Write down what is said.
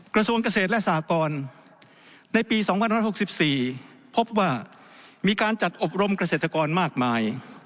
กระทรวงเกษตรและสากรในปี๒๑๖๔พบว่ามีการจัดอบรมเกษตรกรมากมาย